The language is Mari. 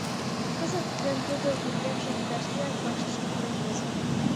Кызыт гын тудо вургемжым кудашдеак вакшышке пурен возо.